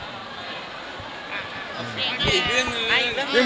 ไม่มีอีกเรื่องหนึ่ง